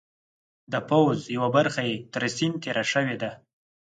د پوځ یوه برخه یې تر سیند تېره شوې ده.